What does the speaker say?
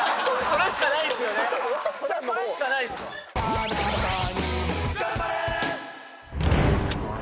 それしかないですわ